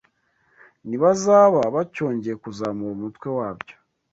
ntibazaba bacyongeye kuzamura umutwe wabyo